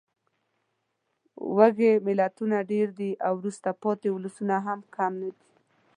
وږې ملتونه ډېر دي او وروسته پاتې ولسونه هم کم نه دي.